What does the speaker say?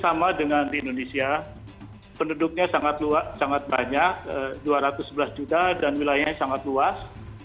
sama dengan di indonesia penduduknya sangat luas sangat banyak dua ratus sebelas juta dan wilayahnya sangat luas